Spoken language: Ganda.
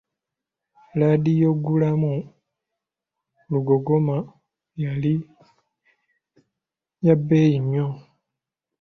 Ladiyogulamu lugogoma yali ya bbeeyi nnyo.